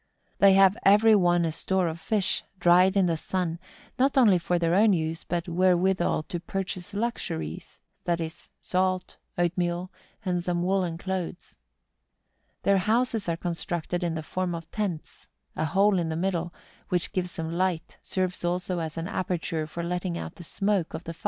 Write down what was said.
They have every one a store of fish, dried in the sun, not only for their own use, but wherewithal to purchase luxuries—that is, salt, oatmeal, and some woollen clothes. Their houses are constructed in the form of tents — a hole in the middle, which gives them light, serves also as an aperture for letting out the smoke of the fire.